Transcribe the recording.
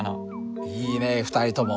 いいね２人とも。